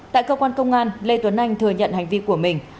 tại cơ quan công an lê tuấn anh thừa nhận hành vi của mình